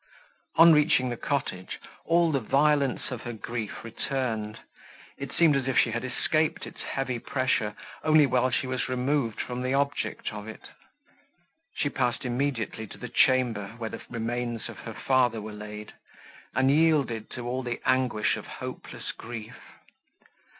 On reaching the cottage, all the violence of her grief returned; it seemed as if she had escaped its heavy pressure only while she was removed from the object of it. She passed immediately to the chamber, where the remains of her father were laid, and yielded to all the anguish of hopeless grief.